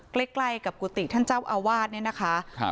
ไกลใกล้กับกุฏิฐานเจ้าอาวาสเนี้ยนะคะ